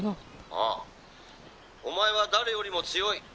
「ああお前は誰よりも強い。